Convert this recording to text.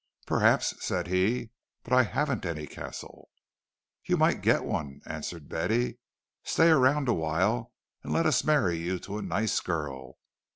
"Perhaps," said he, "but I haven't any castle." "You might get one," answered Betty. "Stay around awhile and let us marry you to a nice girl.